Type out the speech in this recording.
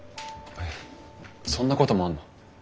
えっそんなこともあるの？